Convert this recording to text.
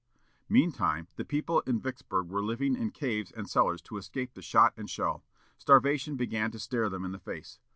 Meantime, the people in Vicksburg were living in caves and cellars to escape the shot and shell. Starvation began to stare them in the face.